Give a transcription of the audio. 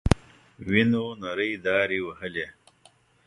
وينو نرۍ دارې وهلې.